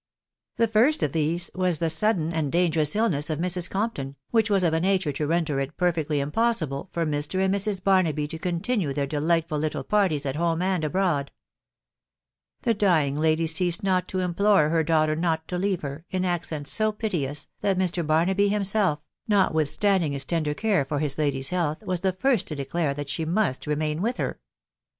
^ The first of these was the sudden and dangerous illness of Mrs. Compton, •which was of a nature to render it perfectly impossible for Mr. and Mrs. Barnaby to continue their de lightful little parties at home and abroad. The dying lady ceased net to implore her daughter not to leave her, in accents so piteous, that Mr. Barnaby himself, notwithstanding his tender care for his lady's health, was the first to declare that she must remain with her.